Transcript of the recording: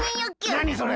なにそれ？